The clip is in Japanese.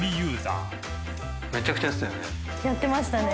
めちゃくちゃやってたよね